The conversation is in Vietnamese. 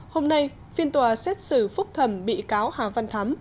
hôm nay phiên tòa xét xử phúc thẩm bị cáo hà văn thắm